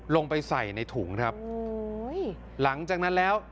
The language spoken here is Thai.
ลงไปใส่ในถุงหลังจากนั้นแล้ว